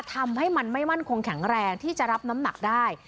ทำให้มันไม่มั่นคงแข็งแรงที่จะรับน้ำหนักได้